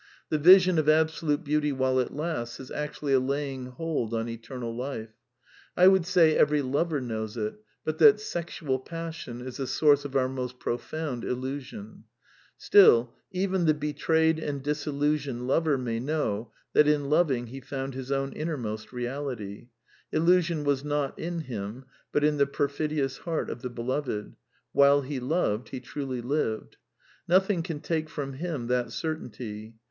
The vision of absolute beauty^"* "^ while it lasts is actually a laying hold on eternal life. I would say every lover knows it, but that sexual passion is the source of ^'72Lirnfl^' T^^'^'^llTlfl ill^ ^on. Still, even the betrayed and disillusioned lovermayBoow that in loving he found his own innermost reality; illusion was not in him, but in the perfidious heart of the beloved ; while he loved he truly lived. Nothing can take from him that cer tainty.